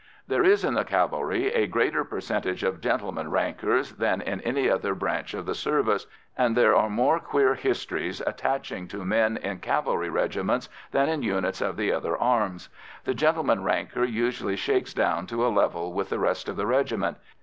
There is in the cavalry a greater percentage of gentleman rankers than in any other branch of the service, and there are more queer histories attaching to men in cavalry regiments than in units of the other arms. The gentleman ranker usually shakes down to a level with the rest of the regiment.